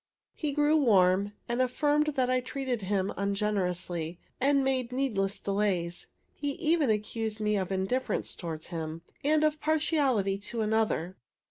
He grew warm, and affirmed that I treated him ungenerously and made needless delays. He even accused me of indifference towards him, and of partiality to another.